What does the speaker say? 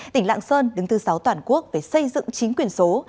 tỉnh lạng sơn đứng thứ sáu toàn quốc về xây dựng chính quyền số